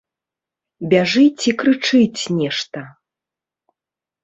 Бяжыць і крычыць нешта.